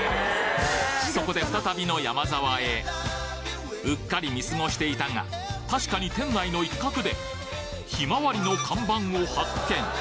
そこで再びのヤマザワへうっかり見過ごしていたが確かに店内の一角でひまわりの看板を発見！